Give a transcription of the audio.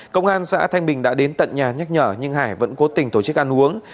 công an xã thanh bình đã đến tận nhà nhắc nhở nhưng hải vẫn cố tình tổ chức ăn uống